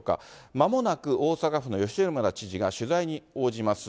まもなく大阪府の吉村知事が取材に応じます。